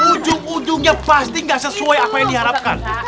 ujung ujungnya pasti gak sesuai apa yang diharapkan